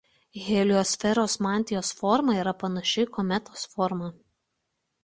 Heliosferos mantijos forma yra panaši į kometos formą.